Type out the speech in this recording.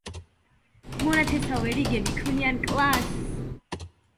მონათესავე რიგები ქმნიან კლასს.